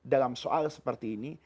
dalam soal seperti ini